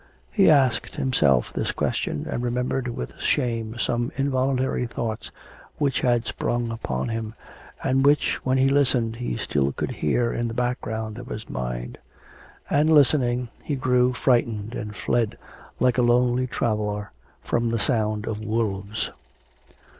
He asked himself this question, and remembered with shame some involuntary thoughts which had sprung upon him, and which, when he listened, he still could hear in the background of his mind; and, listening, he grew frightened and fled, like a lonely traveller from the sound of wolves.